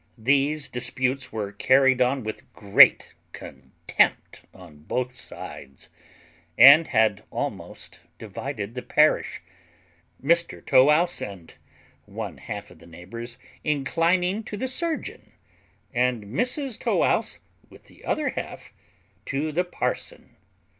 These disputes were carried on with great contempt on both sides, and had almost divided the parish; Mr Tow wouse and one half of the neighbours inclining to the surgeon, and Mrs Tow wouse with the other half to the parson.